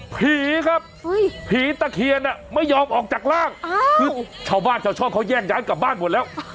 ผีครับผีตะเคียนไม่ยอมออกจากร่างคือชาวบ้านชาวช่องเขาแยกย้ายกลับบ้านหมดแล้ว